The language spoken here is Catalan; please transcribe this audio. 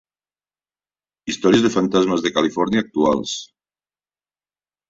Històries de fantasmes de Califòrnia actuals.